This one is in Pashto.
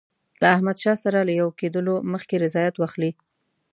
له احمدشاه سره له یو کېدلو مخکي رضایت واخلي.